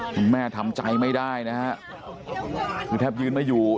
แม่ทำใจไม่ได้นะฮะคือแทบยืนไม่อยู่